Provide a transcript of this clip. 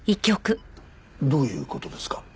どういう事ですか？